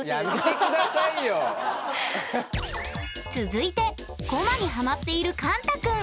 続いてコマにハマっているかんたくん。